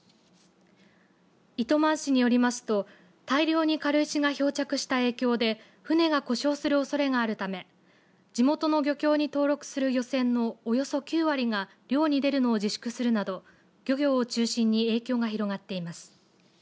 糸満市によりますと大量に軽石が漂着した影響で船が故障するおそれがあるため地元の漁協に登録する漁船のおよそ９割が漁に出るのを自粛するなど漁業を中心に影響が広がっています。